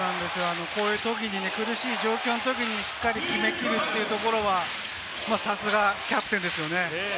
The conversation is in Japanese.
こういうときに苦しい状況のときにしっかり決めきるというところは、さすがキャプテンですよね。